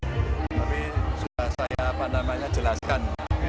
tapi sudah saya jelaskan